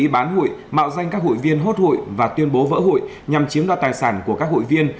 bán hội mạo danh các hội viên hốt hội và tuyên bố vỡ hội nhằm chiếm đạt tài sản của các hội viên